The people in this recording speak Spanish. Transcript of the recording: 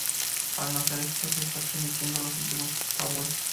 Al no hacer esto, se está transmitiendo los antiguos tabúes.